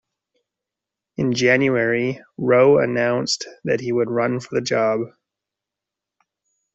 In January, Rowe announced that he would run for the job.